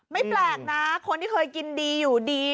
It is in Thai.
ไม่แปลกนะคนที่เคยกินดีอยู่ดี